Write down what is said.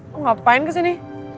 lo ngapain kesini